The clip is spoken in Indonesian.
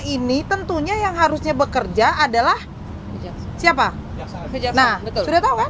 ini tentunya yang harusnya bekerja adalah siapa saja nah sudah tahu kan